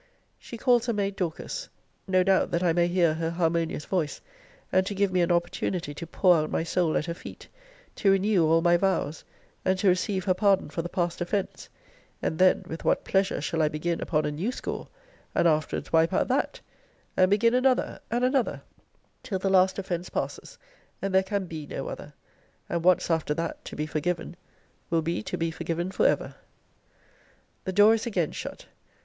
She calls her maid Dorcas. No doubt, that I may hear her harmonious voice, and to give me an opportunity to pour out my soul at her feet; to renew all my vows; and to receive her pardon for the past offence: and then, with what pleasure shall I begin upon a new score, and afterwards wipe out that; and begin another, and another, till the last offence passes; and there can be no other! And once, after that, to be forgiven, will be to be forgiven for ever. The door is again shut.